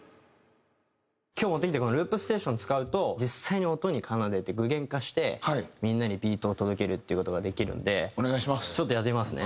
今日持ってきたこのループステーション使うと実際に音に奏でて具現化してみんなにビートを届けるっていう事ができるんでちょっとやってみますね。